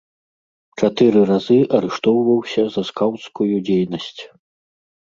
Чатыры разы арыштоўваўся за скаўцкую дзейнасць.